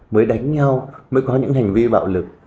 mới đánh nhau mới có những hành vi bạo lực